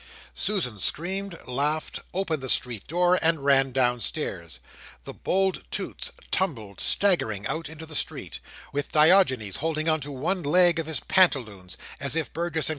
Susan screamed, laughed, opened the street door, and ran downstairs; the bold Toots tumbled staggering out into the street, with Diogenes holding on to one leg of his pantaloons, as if Burgess and Co.